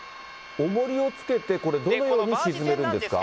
おもりをつけてどのように沈めるんですか。